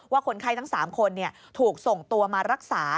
คนไข้ทั้ง๓คนถูกส่งตัวมารักษา